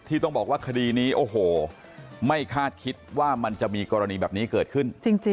ต้องบอกว่าคดีนี้โอ้โหไม่คาดคิดว่ามันจะมีกรณีแบบนี้เกิดขึ้น